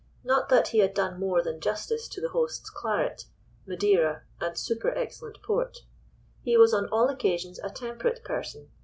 Not that he had done more than justice to the host's claret, madeira, and super excellent port. He was on all occasions a temperate person.